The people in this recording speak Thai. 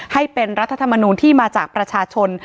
ให้เป็นรัฐธรรมนูลที่มาจากประชาชน